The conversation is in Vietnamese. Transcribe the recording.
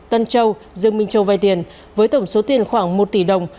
tân châu dương minh châu vay tiền với tổng số tiền khoảng một tỷ đồng